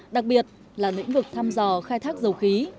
đặc biệt là lĩnh vực thăm dò khai thác dầu khí